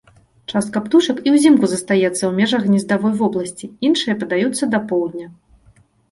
Частка птушак і ўзімку застаецца ў межах гнездавой вобласці, іншыя падаюцца да поўдня.